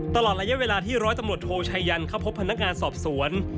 ตลอดระยะเวลาที่ร้อยตำรวจโทชัยยันเข้าพบพนักงานสอบสวน